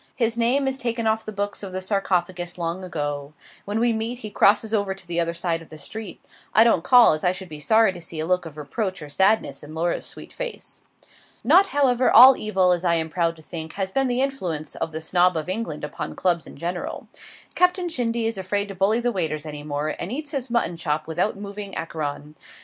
His name is taken off the books of the 'Sarcophagus' long ago. When we meet, he crosses over to the other side of the street; I don't call, as I should be sorry to see a look of reproach or sadness in Laura's sweet face. Not, however, all evil, as I am proud to think, has been the influence of the Snob of England upon Clubs in general: Captain Shindy is afraid to bully the waiters any more, and eats his mutton chop without moving Acheron.